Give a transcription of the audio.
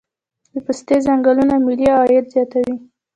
د پستې ځنګلونه ملي عاید زیاتوي.